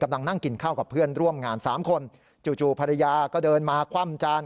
นั่งกินข้าวกับเพื่อนร่วมงานสามคนจู่ภรรยาก็เดินมาคว่ำจาน